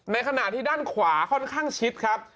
ในขณะที่ด้านขวาค่อนข้างชิดครับ